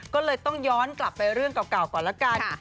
ก็เลยต้องย้อนกลับไปเรื่องเก่าก่อนละกัน